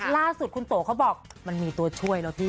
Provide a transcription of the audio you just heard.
ล่าสุดคุณโตเขาบอกมันมีตัวช่วยแล้วพี่